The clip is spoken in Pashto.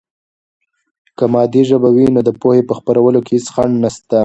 که مادي ژبه وي، نو د پوهې په خپرولو کې هېڅ خنډ نسته.